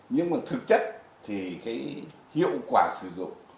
nhưng mà thực chất thì cái hiệu quả sử dụng